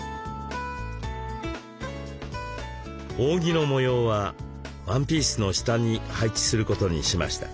扇の模様はワンピースの下に配置することにしました。